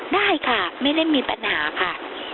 ได้ค่ะไม่ได้มีปัญหาค่ะ